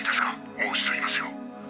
もう一度言いますよ」